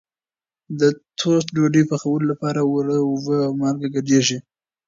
د ټوسټ ډوډۍ پخولو لپاره اوړه اوبه او مالګه ګډېږي.